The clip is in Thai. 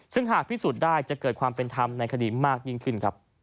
ซึ่งหากพิสูจน์ได้จะเกิดความเป็นธรรมในคดีมากยิ่งขึ้นครับ